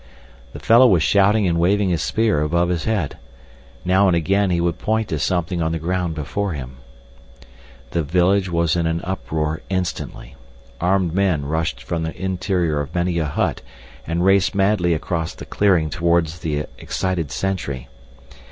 The fellow was shouting and waving his spear above his head. Now and again he would point to something on the ground before him. The village was in an uproar instantly. Armed men rushed from the interior of many a hut and raced madly across the clearing toward the excited sentry.